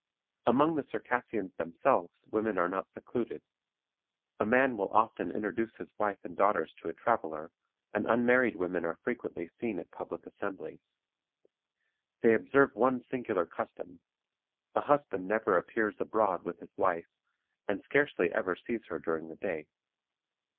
Among the Circassians themselves women are not secluded. A man will often introduce his wife and daughters to a traveler, and unmarried women are frequently seen at public assemblies. They observe one singular custom: a husband never appears abroad with his wife, and scarcely ever sees her during the day.